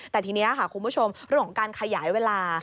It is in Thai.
แต่ทีนี้ค่ะคุณผู้ชมเรื่องของการขยายเวลา